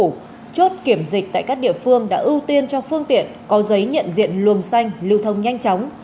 thưa quý vị thực hiện chỉ đạo của chính phủ chốt kiểm dịch tại các địa phương đã ưu tiên cho phương tiện có giấy nhận diện luồng xanh lưu thông nhanh chóng